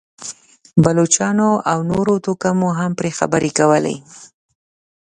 بلوڅانو او نورو توکمونو هم پرې خبرې کولې.